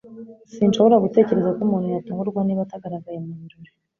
Sinshobora gutekereza ko umuntu yatungurwa niba atagaragaye mubirori.